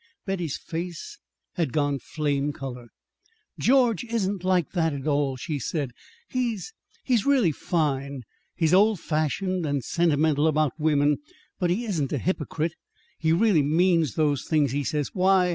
Betty's face had gone flame color. "George isn't like that at all," she said. "He's he's really fine. He's old fashioned and sentimental about women, but he isn't a hypocrite. He really means those things he says. Why..."